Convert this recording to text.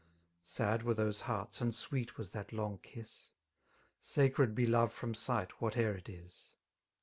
Sad were those hearts, and sweet was that long kiss Sacred be love from sight, whate'er it is.